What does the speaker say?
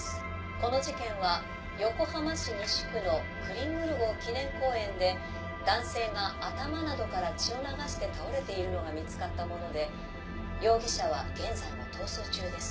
この事件は横浜市西区のクリングル号記念公園で男性が頭などから血を流して倒れているのが見つかったもので容疑者は現在も逃走中です。